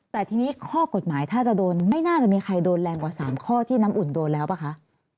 แต่ทีนี้ข้อกฎหมายถ้าจะโดนไม่น่าจะมีใครโดนแรงกว่า๓ข้อที่น้ำอุ่นโดนแล้วป่ะคะ